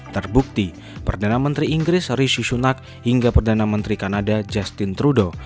terbukti perdana menteri inggris rishi sunak hingga perdana menteri kanada justin trudeau